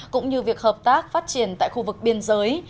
cũng như việc hợp tác phát triển tại khu vực biên giới